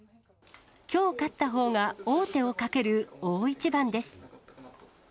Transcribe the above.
きょう勝ったほうが王手をかける大一番です。